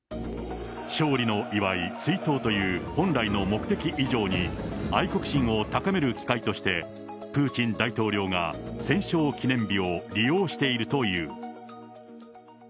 勝利の祝い、追悼という本来の目的以上に、愛国心を高める機会として、プーチン大統領が戦勝記念日を利用しているという。